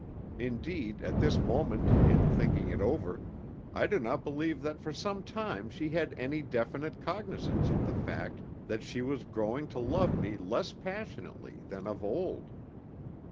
Indeed, at this moment, in thinking it over, I do not believe that for some time she had any definite cognisance of the fact that she was growing to love me less passionately than of old.